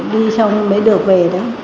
đi xong mới được về